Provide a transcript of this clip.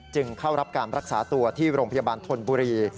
จึงเข้ารับการรักษาตัวที่โรงพยาบาลธนบุรี